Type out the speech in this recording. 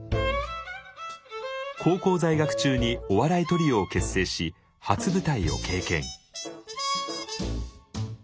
高校在学中にお笑いトリオを結成し初舞台を経験。